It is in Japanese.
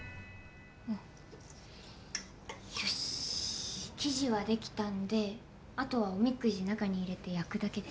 よしっ生地はできたんであとはおみくじ中に入れて焼くだけで。